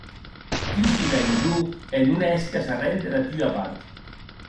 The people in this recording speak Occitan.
Tu fida en jo, e non hèsques arren dera tua part.